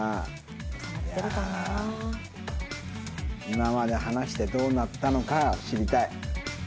今まで話してどうなったのか知りたい。